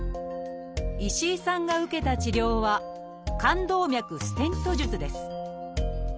石井さんが受けた治療は「冠動脈ステント術」です。